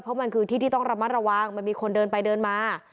เพราะมันคือที่ที่ต้องระมัดระวังมันมีคนเดินไปเดินมา